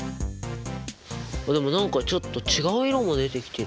でも何かちょっと違う色も出てきてる。